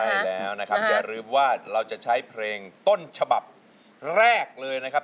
ใช่แล้วนะครับอย่าลืมว่าเราจะใช้เพลงต้นฉบับแรกเลยนะครับ